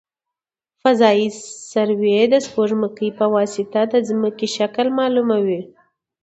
فضايي سروې د سپوږمکۍ په واسطه د ځمکې شکل معلوموي